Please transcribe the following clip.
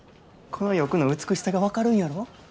この翼の美しさが分かるんやろ。